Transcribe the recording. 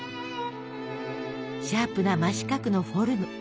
シャープな真四角のフォルム。